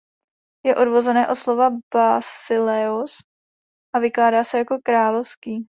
Je odvozené od slova "basileios" a vykládá se jako „královský“.